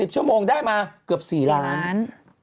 ชั่วโมงได้มาเกือบ๔ล้าน